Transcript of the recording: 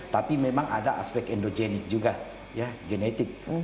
tapi memang ada aspek endogenik juga ya genetik